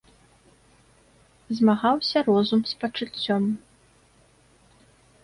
Змагаўся розум з пачуццём.